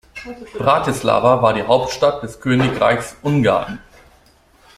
Bratislava war die Hauptstadt des Königreichs Ungarn.